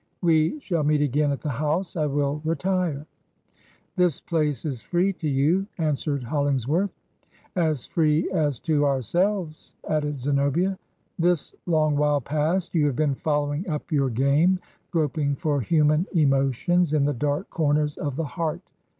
We shall meet again at the house. I will retire.' 'This place is free to you,' answered HoUings worth. ' As free as to ourselves,' added Zenobia, ' This long while past, you have been following up your game, groping for himian emotions in the dark comers of the heart.